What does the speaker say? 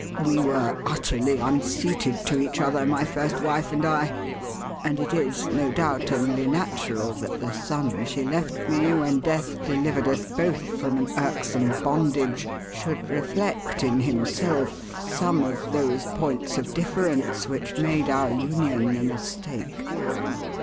We were utterly unsuited to each other, my first wife and I, and it is, no doubt, only natural that the son she left me when death delivered us both from an irksome bondage should reflect in himself some of those points of difference which made our union a mistake.